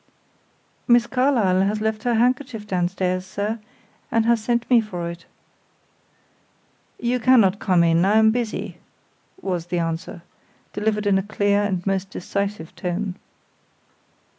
"Miss Carlyle has left her handkerchief downstairs, sir, and has sent me for it." "You cannot come in I am busy," was the answer, delivered in a clear and most decisive tone.